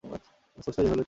Passport সাইজের হলেও চলবে।